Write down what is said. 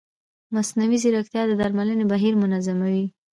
مصنوعي ځیرکتیا د درملنې بهیر منظموي.